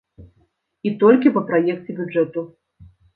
І толькі па праекце бюджэту.